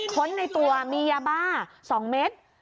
ค้นในตัวมียาบ้า๒เม็ด